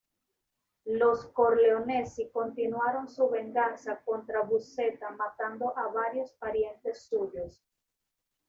Los corleonesi continuaron su venganza contra Buscetta matando a varios parientes suyos.